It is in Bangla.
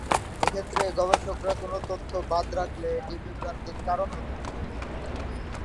এক্ষেত্রে গবেষকরা কোনো তথ্য বাদ রাখলে এটি বিভ্রান্তির কারণ হতে পারে।